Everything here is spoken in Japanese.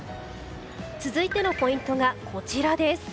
続いてのポイントはこちらです。